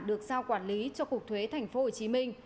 được giao quản lý cho cục thuế tp hcm